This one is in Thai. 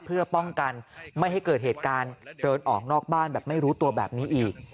เพื่อป้องกันไม่ให้เกิดเหตุการณ์เดินออกนอกบ้านแบบไม่รู้ตัวแบบนี้อีก